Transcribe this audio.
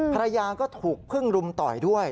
ภรรยาก็ถูกพึ่งรุมต่อยด้วย